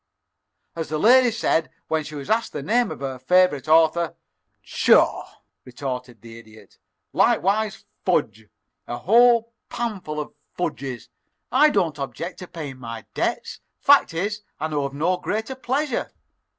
"As the lady said when she was asked the name of her favorite author, 'Pshaw!'" retorted the Idiot. "Likewise fudge a whole panful of fudges! I don't object to paying my debts; fact is, I know of no greater pleasure.